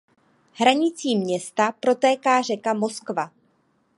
Hranicí města protéká řeka Moskva.